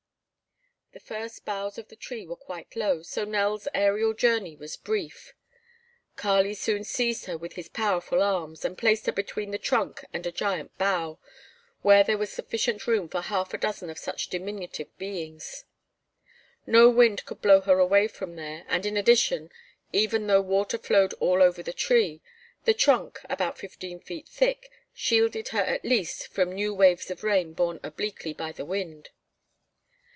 The first boughs of the tree were quite low so Nell's aerial journey was brief. Kali soon seized her with his powerful arms and placed her between the trunk and a giant bough, where there was sufficient room for half a dozen of such diminutive beings. No wind could blow her away from there and in addition, even although water flowed all over the tree, the trunk, about fifteen feet thick, shielded her at least from new waves of rain borne obliquely by the wind.